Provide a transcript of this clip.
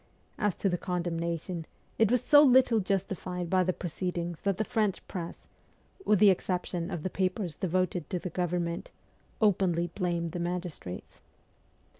As to the condemnation, it was so little justified by the proceedings that the French Press with the exception of the papers devoted to the government openly blamed the magistrates.